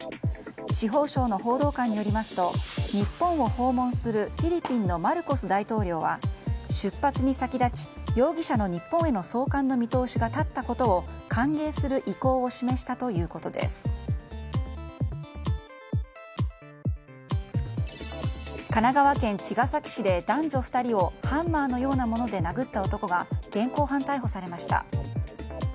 司法省の報道官によりますと日本を訪問するフィリピンのマルコス大統領は出発に先立ち容疑者の日本への送還の見通しが立ったことを歓迎する意向を示した神奈川県茅ヶ崎市で男女２人をハンマーのようなもので殴った男が現行犯逮捕されました。